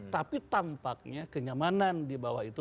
tapi tampaknya kenyamanan di bawah itu